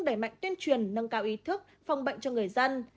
đẩy mạnh tuyên truyền nâng cao ý thức phòng bệnh cho người dân